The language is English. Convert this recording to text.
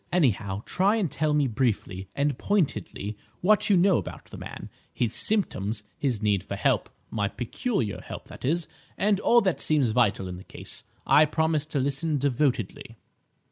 Anyhow, try and tell me briefly and pointedly what you know about the man, his symptoms, his need for help, my peculiar help, that is, and all that seems vital in the case. I promise to listen devotedly."